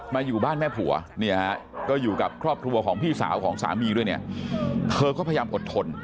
อยู่บ้านแม่ผัวเนี่ยฮะก็อยู่กับครอบครัวของพี่สาวของสามีด้วยเนี่ยเธอก็พยายามอดทน